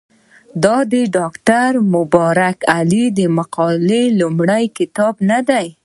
دا د ډاکټر مبارک علي د مقالو لومړی کتاب نه دی.